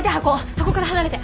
箱から離れて！